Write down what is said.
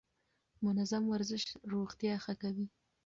منظم ورزش روغتيا ښه کوي.